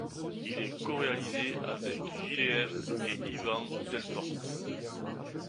Il est coréalisé avec Jidéhem et Yvan Delporte.